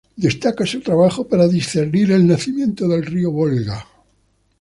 Destaca su trabajo para discernir el nacimiento del río Volga.